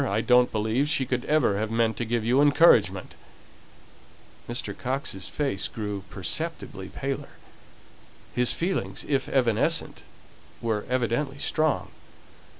I don't believe she could ever have meant to give you encouragement!" Mr. Coxe's face grew perceptibly paler. His feelings, if evanescent, were evidently strong.